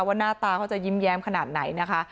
หน้าตาเขาจะยิ้มแย้มขนาดไหนนะคะ